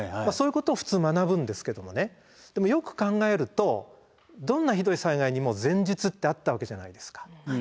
そういうことを普通学ぶんですけどもねでもよく考えるとどんなひどい災害にも前日ってあったわけじゃないですか。